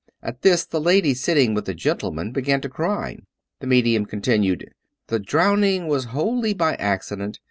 At this the lady sitting with the gentleman began to cry. The medium continued: "The drowning was wholly an acci dent.